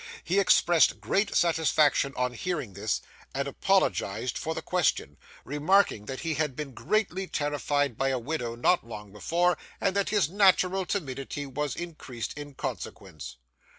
He expressed great satisfaction on hearing this, and apologised for the question, remarking that he had been greatly terrified by a widow not long before, and that his natural timidity was increased in consequence.